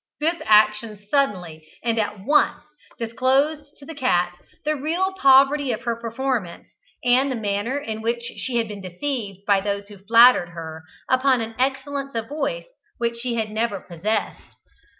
This action suddenly and at once disclosed to the cat the real poverty of her performance; and the manner in which she had been deceived by those who had flattered her upon an excellence of voice which she had never possessed.